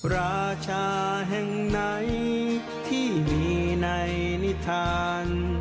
ราชาแห่งไหนที่มีในนิทาน